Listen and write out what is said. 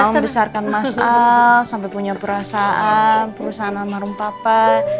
mau membesarkan mas al sampai punya perasaan perusahaan sama rumah papa